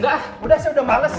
dah udah saya udah males